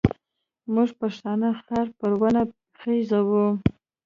موږ پښتانه خر په ونه خېزوو.